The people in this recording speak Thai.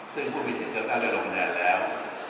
ซึ่งผู้มีสิทธิ์เลือกตั้งได้ลงคะแนนแล้ว